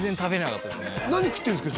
何食ってるんですか？